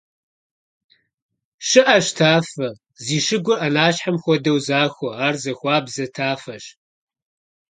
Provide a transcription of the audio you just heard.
ЩыӀэщ тафэ, зи щыгур Ӏэнащхьэм хуэдэу захуэ; ар захуабзэ тафэщ.